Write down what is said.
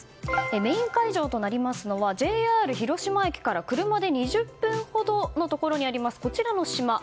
メイン会場となりますのはＪＲ広島駅から車で２０分ほどのところにあるこちらの島。